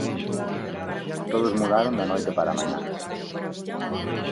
Todos mudaron da noite para a mañá.